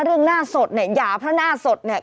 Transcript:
หน้าสดเนี่ยอย่าเพราะหน้าสดเนี่ย